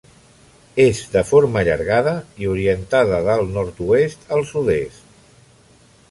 És de forma allargada i orientada del nord-oest al sud-est.